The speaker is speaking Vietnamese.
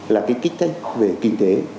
là cái kích thích về kinh tế